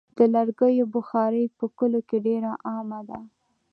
د لرګیو بخاري په کلیو کې ډېره عامه ده.